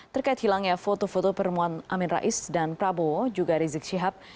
terkait hilangnya foto foto pertemuan amin rais dan prabowo juga rizik syihab